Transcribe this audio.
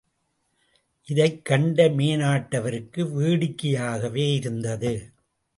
இதைக் கண்ட மேனாட்டவருக்கு வேடிக்கையாகவே இருந்தது.